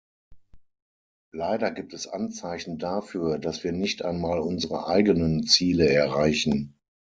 Leider gibt es Anzeichen dafür, dass wir nicht einmal unsere eigenen Ziele erreichen.